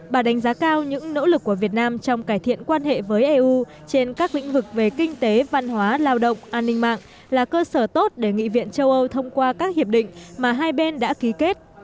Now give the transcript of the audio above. bà đánh giá cao những nỗ lực của việt nam trong cải thiện quan hệ với eu trên các lĩnh vực về kinh tế văn hóa lao động an ninh mạng là cơ sở tốt để nghị viện châu âu thông qua các hiệp định mà hai bên đã ký kết